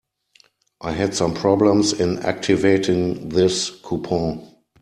I had some problems in activating this coupon.